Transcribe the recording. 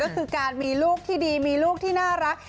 ก็คือการมีลูกที่ดีมีลูกที่น่ารัก